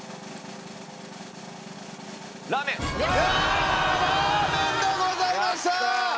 ラーメンでございました！